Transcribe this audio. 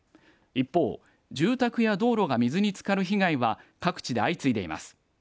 一方、住宅や道路が水につかる被害は各地で相次いでいます。